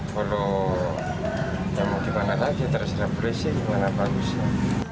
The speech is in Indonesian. kalau gak mau dibangun lagi terserah polisi gimana bagusnya